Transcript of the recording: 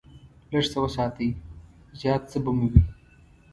لږ څه وساتئ، زیات څه به مو وي.